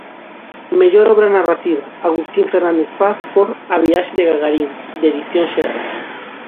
Mellor obra narrativa: Agustín Fernández Paz por "A viaxe de Gagarin", de Edicións Xerais.